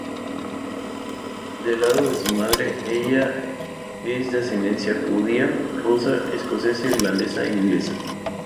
Del lado de su madre, ella es de ascendencia judía, rusa, escocesa-irlandesa e inglesa.